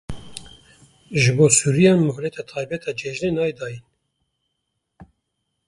Ji bo Sûriyan mohleta taybet a cejnê nayê dayîn.